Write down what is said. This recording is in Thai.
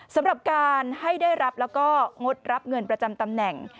สำหรับการให้ได้รับแล้วก็งดรับเงินประจำตำแหน่ง